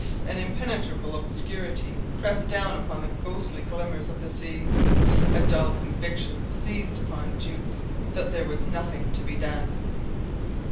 An impenetrable obscurity pressed down upon the ghostly glimmers of the sea. A dull conviction seized upon Jukes that there was nothing to be done.